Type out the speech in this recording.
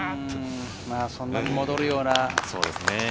そんなに戻るような。